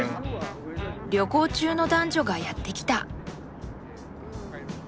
旅行中の男女がやって来た。